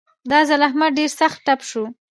دا ځل احمد ډېر سخت تپ شو.